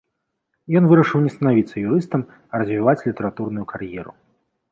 Ён вырашыў не станавіцца юрыстам, а развіваць літаратурную кар'еру.